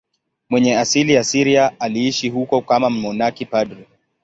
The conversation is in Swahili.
Mwenye asili ya Syria, aliishi huko kama mmonaki padri.